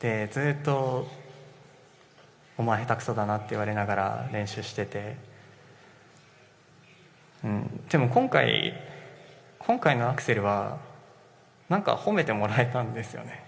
ずっとお前、下手くそだなと言われながら練習をしていて、でも今回のアクセルはなんか褒めてもらえたんですよね。